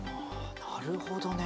なるほどね。